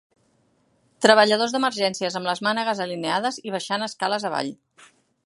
Treballadors d'emergències amb les mànegues alineades i baixant escales avall.